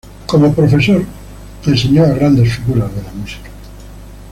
Como profesor, enseñó a grandes figuras de la música.